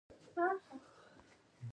آزاد تجارت مهم دی ځکه چې دولت قوي کوي.